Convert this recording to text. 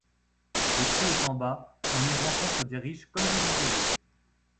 Les prix étant bas, on y rencontre des riches comme des ouvriers.